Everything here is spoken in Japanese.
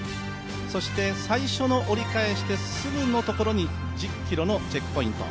そして最初の折り返してすぐのところに１０ｋｍのチェックポイント。